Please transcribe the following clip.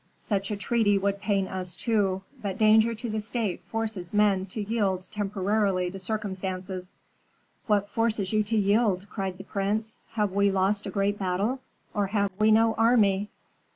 Such a treaty would pain us, too; but danger to the state forces men to yield temporarily to circumstances." "What forces you to yield?" cried the prince. "Have we lost a great battle, or have we no army?"